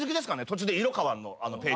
途中で色変わるの。